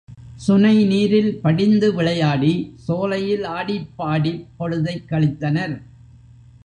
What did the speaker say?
சுனை நீரில் படிந்து விளையாடி, சோலையில் ஆடிப்பாடிப் பொழுதைக் கழித்தனர்.